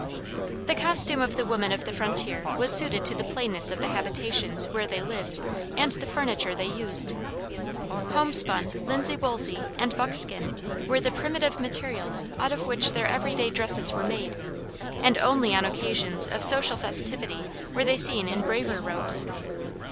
The costume of the women of the frontier was suited to the plainness of the habitations where they lived and the furniture they used. Homespun, linsey woolsey and buckskin were the primitive materials out of which their everyday dresses were made, and only on occasions of social festivity were they seen in braver robes.